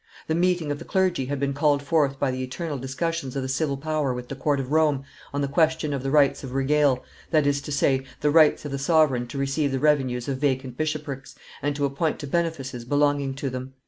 The meeting of the clergy had been called forth by the eternal discussions of the civil power with the court of Rome on the question of the rights of regale, that is to say, the rights of the sovereign to receive the revenues of vacant bishoprics, and to appoint to benefices belonging to them.